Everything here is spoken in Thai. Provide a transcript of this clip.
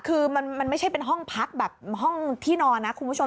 คือมันไม่ใช่เป็นห้องพักแบบห้องที่นอนนะคุณผู้ชม